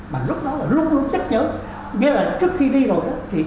mà lúc đó là lúc lúc chắc nhớ nghĩa là trước khi đi rồi